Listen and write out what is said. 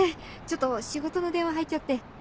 ちょっと仕事の電話入っちゃって。